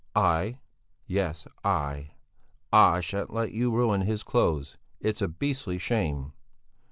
"I! Yes, I! I shan't let you ruin his clothes. It's a beastly shame!"